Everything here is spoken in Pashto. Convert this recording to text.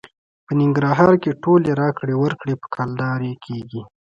په ننګرهار کې ټولې راکړې ورکړې په کلدارې کېږي.